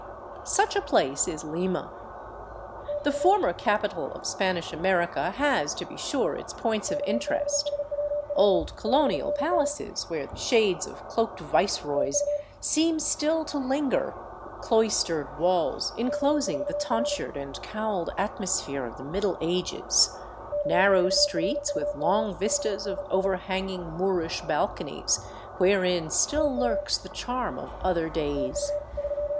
Such a place is Lima. The former capital of Spanish America has, to be sure, its points of interest; old colonial palaces where the shades of cloaked viceroys seem still to linger, cloistered walls in closing the tonsured and cowled atmosphere of the Middle Ages, nar row streets with long vistas of overhanging Moorish balconies wherein still lurks the charm of other days.